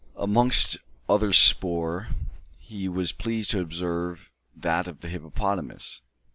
Amongst other spoor, he was pleased to observe that of the hippopotamus.